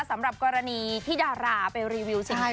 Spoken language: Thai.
สำหรับกรณีที่ดาราไปรีวิวสินค้า